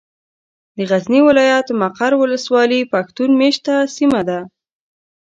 د غزني ولايت ، مقر ولسوالي پښتون مېشته سيمه ده.